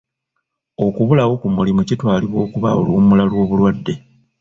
Okubulawo ku mulimu kitwalibwa okuba oluwummula lw'obulwadde.